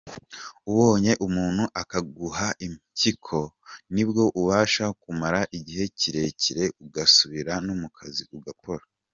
Ubonye umuntu akaguha impyiko nibwo ubasha kumara igihe kirekire ugasubira no mu kazi ugakora.